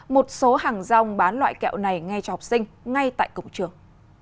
một số hàng rong bán loại kẹo này ngay cho học sinh ngay tại cổng trường